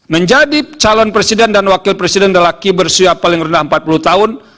menjadi calon presiden dan wakil presiden lelaki berusia paling rendah empat puluh tahun